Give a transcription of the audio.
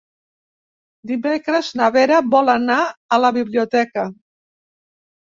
Dimecres na Vera vol anar a la biblioteca.